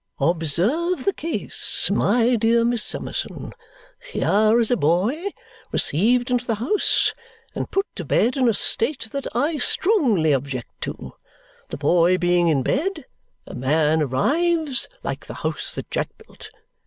"Observe the case, my dear Miss Summerson. Here is a boy received into the house and put to bed in a state that I strongly object to. The boy being in bed, a man arrives like the house that Jack built.